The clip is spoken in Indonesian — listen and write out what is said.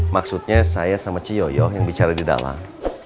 maksudnya saya sama ci yoyo yang bicara di dalam